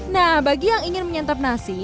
nah bagi yang ingin menyantap nasi